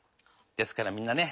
ですからみんなね